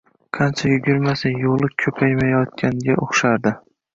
Qancha yugurmasin, yo‘li ko‘paymayotganga o‘xshardi.